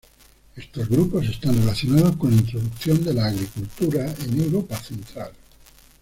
Estos grupos están relacionados con la introducción de la agricultura en Europa central.